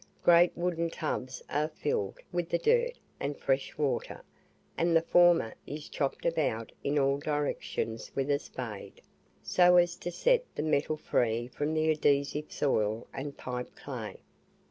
Great wooden tubs are filled with the dirt and fresh water, and the former is chopped about in all directions with a spade, so as to set the metal free from the adhesive soil and pipe clay.